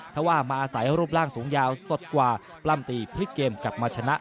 ถ้าว่ามาอาศัยรูปร่างสูงยาวสดกว่าปล้ำตีพลิกเกมกลับมาชนะ